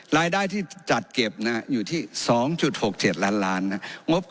รายได้ที่จัดเก็บอยู่ที่๒๖๗ล้านล้านนะ